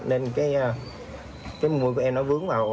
nên cái mũi của em nó vướng vào